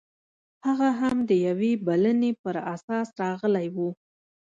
هغه هم د یوې بلنې پر اساس راغلی و